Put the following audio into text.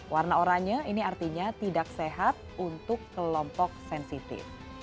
warna oranye ini artinya tidak sehat untuk kelompok sensitif